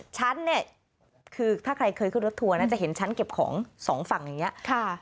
ฉันเนี่ยคือถ้าใครเคยขึ้นรถทัวร์น่าจะเห็นชั้นเก็บของสองฝั่งอย่างนี้